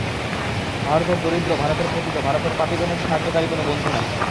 ভারতের দরিদ্র, ভারতের পতিত, ভারতের পাপিগণের সাহায্যকারী কোন বন্ধু নাই।